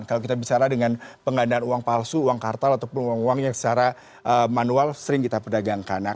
kalau kita bicara dengan penggandaan uang palsu uang kartal ataupun uang uang yang secara manual sering kita perdagangkan